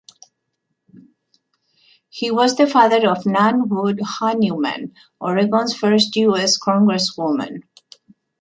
He was the father of Nan Wood Honeyman, Oregon's first U. S. congresswoman.